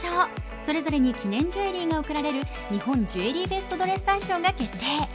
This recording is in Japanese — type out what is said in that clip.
それぞれに記念ジュエリーが贈られる日本ジュエリーベストドレッサー賞が決定。